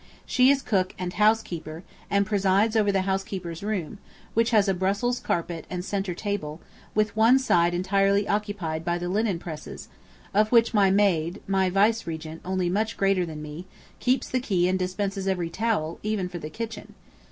She is cook and housekeeper, and presides over the housekeeper's room; which has a Brussels carpet and centre table, with one side entirely occupied by the linen presses, of which my maid (my vice regent, only much greater than me) keeps the key and dispenses every towel, even for the kitchen.